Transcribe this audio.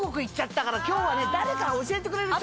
今日は誰か教えてくれる人。